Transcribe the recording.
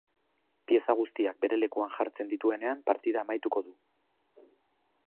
Pieza guztiak bere lekuan jartzen dituenean, partida amaituko du.